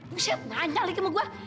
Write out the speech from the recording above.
buset ngajal lagi sama gue